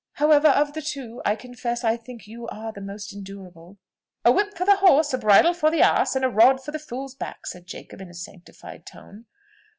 However, of the two, I confess I think you are the most endurable." "A whip for the horse, a bridle for the ass, and a rod for the fool's back," said Jacob in a sanctified tone.